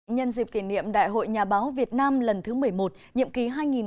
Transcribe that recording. nhân dịp kỷ niệm đại hội nhà báo việt nam lần thứ một mươi một nhiệm ký hai nghìn hai mươi hai nghìn hai mươi năm